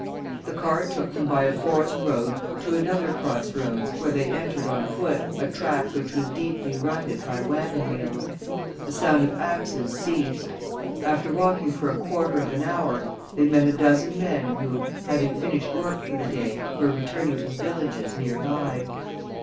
The car took them by a forest road to another cross roads where they entered on foot a track which was deeply rutted by waggon wheels. The sound of axes ceased. After walking for a quarter of an hour, they met a dozen men who, having finished work for the day, were returning to the villages near by.